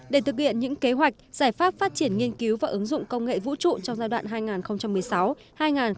để thực hiện những kế hoạch giải pháp phát triển nghiên cứu và ứng dụng công nghệ vũ trụ trong giai đoạn hai nghìn một mươi sáu hai nghìn hai mươi